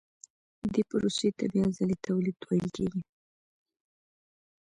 دې پروسې ته بیا ځلي تولید ویل کېږي